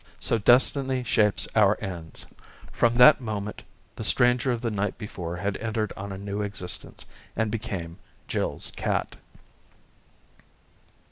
178 So destiny shapes our ends ; from that moment the stranger of the night before had entered on a new existence, and became Jill's cat.